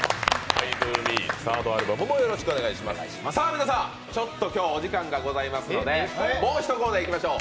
皆さん、ちょっと今日、お時間がございますので、もう１コーナーやりましょう。